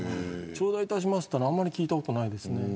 頂戴いたしますというのはあまり聞いたことがないです。